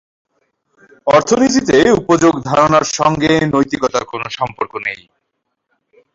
অর্থনীতিতে উপযোগ ধারণার সঙ্গে নৈতিকতার কোনো সম্পর্ক নেই।